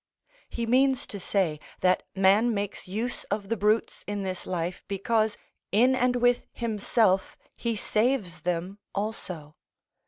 He means to say, that man makes use of the brutes in this life because, in and with himself, he saves them also.